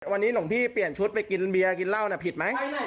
วันนี้หลวงพี่เปลี่ยนชุดไปกินเบียร์กินเหล้าน่ะผิดไหม